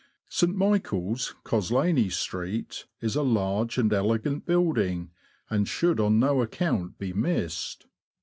St. MichaeFs, Coslaney Street, is a large and elegant building, and should on no account be missed.